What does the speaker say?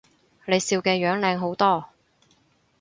你笑嘅樣靚好多